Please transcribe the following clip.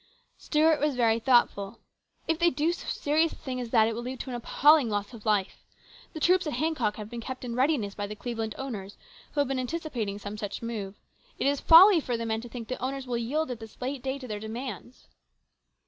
Stuart was very thoughtful. "If they do so serious a thing as that, it will lead to an appalling loss of life. The troops at Hancock have been kept in readiness by the Cleveland owners, who have been anticipating some such move. It is folly for the men to think the owners will yield at this late day to their demands."